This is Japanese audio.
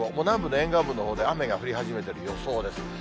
南部の沿岸部のほうで雨が降り始めてる予想です。